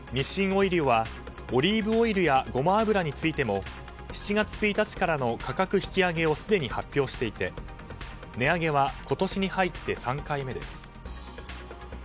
オイリオはオリーブオイルやゴマ油についても７月１日からの価格引き上げをすでに発表していて値上げは今年に入って３回目です。